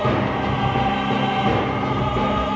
kau tidak bisa menjadi siapa pun selain iblis